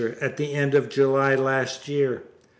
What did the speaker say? At the end of July, last year.